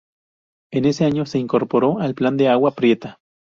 En ese año se incorporó al Plan de Agua Prieta.